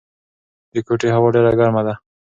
د کوټې هوا ډېره ګرمه ده.